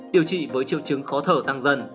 điều trị với triệu chứng khó thở tăng dần